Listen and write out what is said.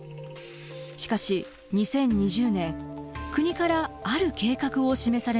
しかし２０２０年国からある計画を示されました。